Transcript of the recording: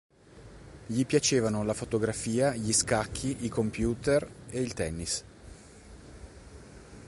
Gli piacevano la fotografia, gli scacchi, i computer ed il tennis.